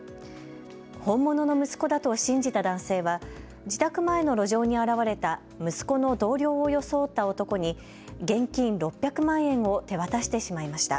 本物の息子だと信じた男性は自宅前の路上に現れた息子の同僚を装った男に現金６００万円を手渡してしまいました。